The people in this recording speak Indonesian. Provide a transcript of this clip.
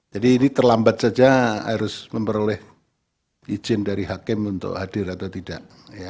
ini terlambat saja harus memperoleh izin dari hakim untuk hadir atau tidak